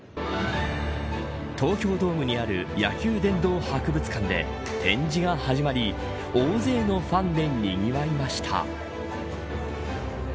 東京ドームにある野球殿堂博物館で展示が始まり大勢のファンでにぎわいました。